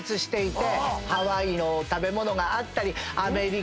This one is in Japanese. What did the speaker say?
ハワイの食べ物があったりアメリカが。